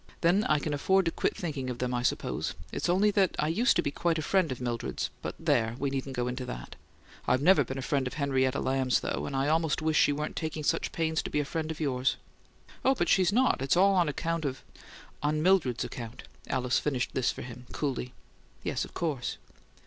"Then I can afford to quit thinking of them, I suppose. It's only that I used to be quite a friend of Mildred's but there! we needn't to go into that. I've never been a friend of Henrietta Lamb's, though, and I almost wish she weren't taking such pains to be a friend of yours." "Oh, but she's not. It's all on account of " "On Mildred's account," Alice finished this for him, coolly. "Yes, of course."